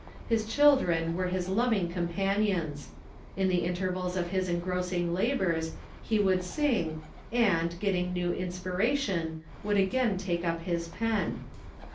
His children were his loving companions. In the intervals of his engrossing labors he would sing, and, getting new inspiration, would again take up his pen.